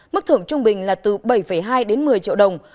mức thưởng trung bình là từ bảy hai đến một mươi triệu đồng